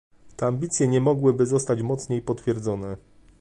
Te ambicje nie mogłyby zostać mocniej potwierdzone